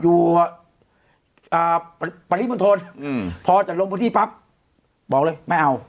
อยู่อ่าอืมพอจัดลงพื้นที่ปั๊บบอกเลยไม่เอา